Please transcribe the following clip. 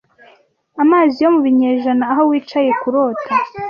Amazi yo mu binyejana, aho wicaye kurota;